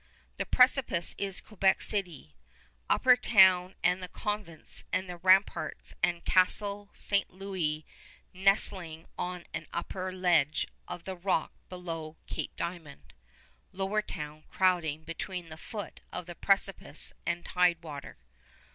The precipice is Quebec City: Upper Town and the convents and the ramparts and Castle St. Louis nestling on an upper ledge of the rock below Cape Diamond; Lower Town crowding between the foot of the precipice and tide water.